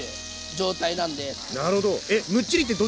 なるほど。